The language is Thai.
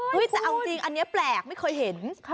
แต่เอาจริงอันนี้แปลกไม่เคยเห็น